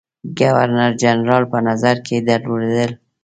ګورنر جنرال په نظر کې درلودل.